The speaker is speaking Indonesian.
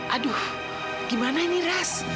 aduh gimana ini ras